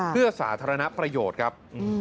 เพื่อสาธารณประโยชน์ครับ